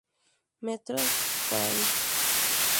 Metroid Prime".